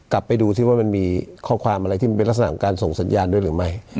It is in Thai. ไปดูซิว่ามันมีข้อความอะไรที่มันเป็นลักษณะของการส่งสัญญาณด้วยหรือไม่